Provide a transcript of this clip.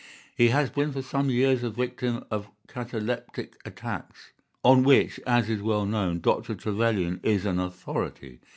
He has been for some years a victim to cataleptic attacks, on which, as is well known, Dr. Trevelyan is an authority.